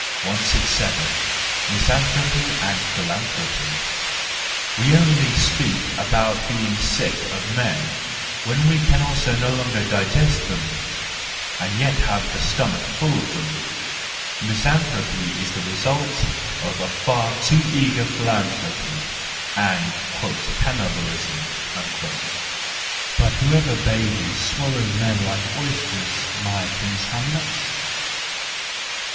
167. Misanthropy and Philanthropy .—W"e only speak about being sick of men when we can no longer THE JOYFUL WISDOM, III 189 digest them, and yet have the stomach full of them. Misanthropy is the result of a far too eager philanthropy and "cannibalism/' — but who ever bade you swallow men like oysters, my Prince Hamlet